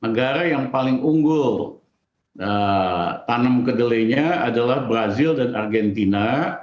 negara yang paling unggul tanam kedelainya adalah brazil dan argentina